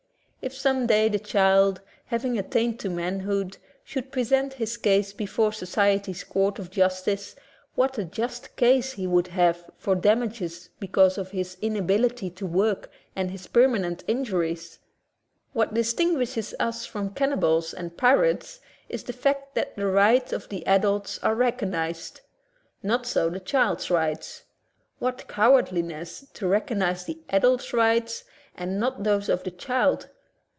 If some day the child, having attained to manhood, should present his case before society's court of justice, what a just cause he would have for damages because of his inabiUty to work and his permanent injuries ! What distinguishes us from cannibals and pirates is the fact that the rights of the adults are recognized. Not so the child's rights. What cowardliness to recognize the adult's rights and not those of the child!